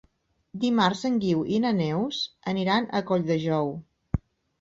Dimarts en Guiu i na Neus aniran a Colldejou.